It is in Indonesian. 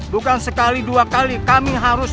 bukan sekali dua kali kami harus